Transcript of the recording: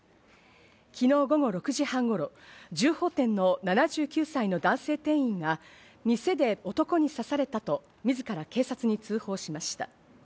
昨日午後６時半頃、銃砲店の７９歳の男性店員が店で男に刺されたと、みずから警察に通報しました。